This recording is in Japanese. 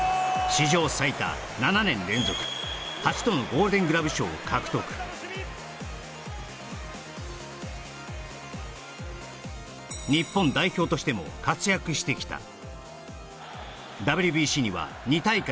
史上最多７年連続８度のゴールデン・グラブ賞を獲得日本代表としても活躍してきたＷＢＣには２大会